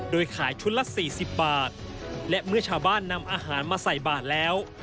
โดยขายชุดละ๔๐บาทและเมื่อชาวบ้านนำอาหารมาใส่บาทแล้ว